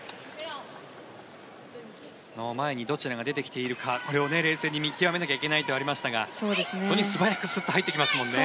前にどちらが出てきているかこれを冷静に見極めなければいけないとありましたが本当に相手も素早くスッと入ってきますもんね。